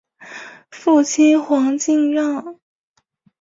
父亲黄敬让。